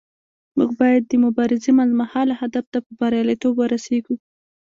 موږ باید د مبارزې منځمهاله هدف ته په بریالیتوب ورسیږو.